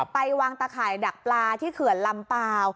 ไปวางตะข่ายดักปลาที่เขื่อนลำเปล่า